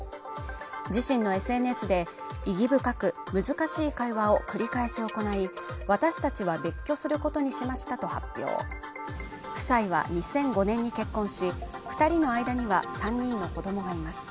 自身のＳＮＳで意義深く難しい会話を繰り返し行い私たちは別居することにしましたと発表夫妻は２００５年に結婚し二人の間には３人の子どもがいます